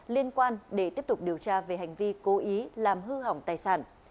liên quan để tiếp tục điều tra về hành vi cố ý làm hư hỏng tài sản